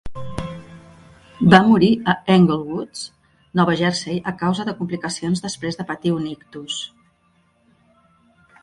Va morir a Englewood, Nova Jersey, a causa de complicacions després de patir un ictus.